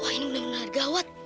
wah ini bener bener gawat